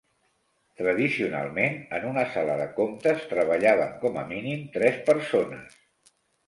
Tradicionalment, en una sala de comptes treballaven com a mínim tres persones.